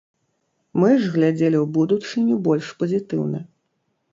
Мы ж глядзелі ў будучыню больш пазітыўна.